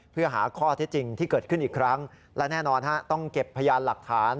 เพื่อหาข้อเท็จจริงที่เกิดขึ้นอีกครั้งและแน่นอนฮะต้องเก็บพยานหลักฐาน